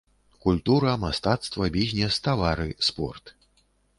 Культура, мастацтва, бізнес, тавары, спорт.